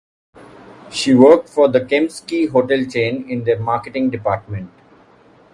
She worked for the Kempinski hotel chain in their marketing department.